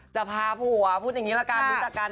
จะพาผัวพูดอย่างนี้ละกัน